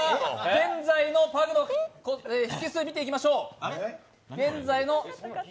現在のパグの匹数、見ていきましょう。